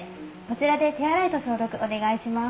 こちらで手洗いと消毒お願いします。